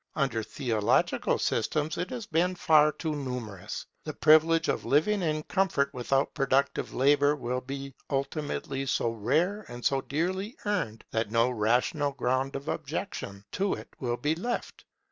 Under theological systems it has been far too numerous. The privilege of living in comfort without productive labour will be ultimately so rare and so dearly earned, that no rational ground of objection to it will be left.